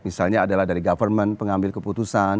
misalnya adalah dari government pengambil keputusan